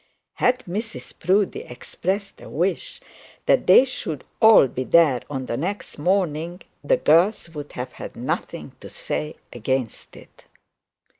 Had Mrs Proudie expressed a wish that they should all be there on the next morning, the girls would have had nothing to say against it.